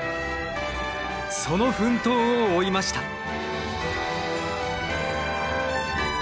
その奮闘を追いました。